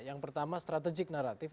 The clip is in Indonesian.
yang pertama strategik naratif